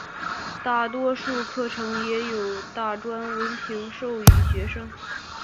大多数课程也有大专文凭授予学生。